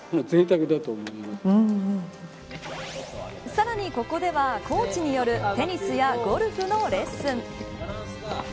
さらに、ここではコーチによるテニスやゴルフのレッスン。